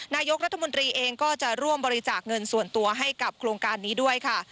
นายกรัฐมนตรีเองก็จะร่วมบริจาคเงินส่วนตัวให้กับโครงการนี้ด้วยค่ะ